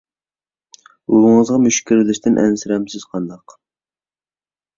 ئۇۋىڭىزغا مۈشۈك كىرىۋېلىشتىن ئەنسىرەمسىز قانداق؟